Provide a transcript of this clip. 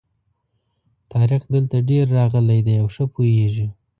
طارق دلته ډېر راغلی دی او ښه پوهېږي.